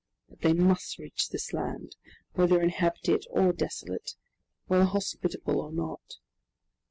But they must reach this land, whether inhabited or desolate, whether hospitable or not.